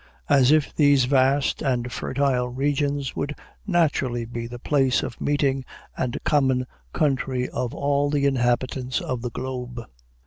As if these vast and fertile regions would naturally be the place of meeting and common country of all the inhabitants of the globe."